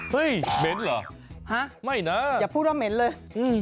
เหม็นเหรอฮะไม่นะอย่าพูดว่าเหม็นเลย